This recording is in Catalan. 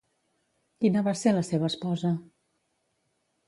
Quina va ser la seva esposa?